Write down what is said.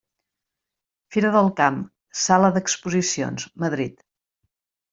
Fira del Camp, Sala d'Exposicions, Madrid.